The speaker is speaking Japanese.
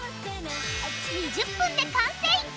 ２０分で完成！